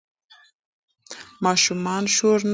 ماشومان شور نه کوي.